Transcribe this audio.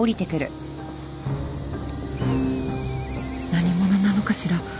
何者なのかしら？